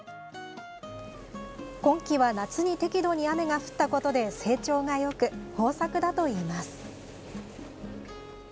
今季は夏に適度に雨が降ったことで成長がよく、豊作だといいます。